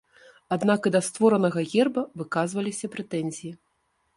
Аднак і да створанага герба выказваліся прэтэнзіі.